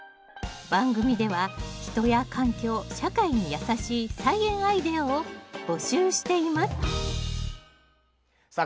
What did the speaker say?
番組では人や環境社会にやさしい菜園アイデアを募集していますさあ